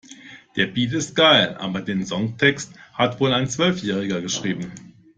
Der Beat ist geil, aber den Songtext hat wohl ein Zwölfjähriger geschrieben.